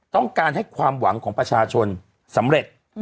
ต้องการให้ความหวังของประชาชนสำเร็จ